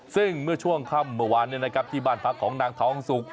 ซึ่งเมื่อช่วงค่ำเมื่อวานที่บ้านพักของนางทองสุก